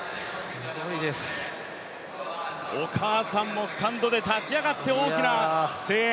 お母さんもスタンドで立ち上がって大きな声援。